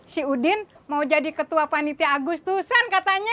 si udin mau jadi ketua panitia agustusan katanya